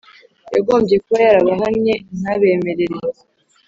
Yagombye kuba yarabahannye ntabemerere